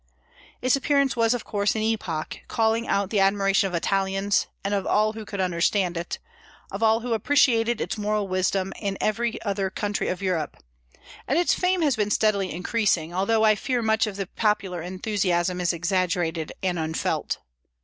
Its appearance was of course an epoch, calling out the admiration of Italians, and of all who could understand it, of all who appreciated its moral wisdom in every other country of Europe. And its fame has been steadily increasing, although I fear much of the popular enthusiasm is exaggerated and unfelt.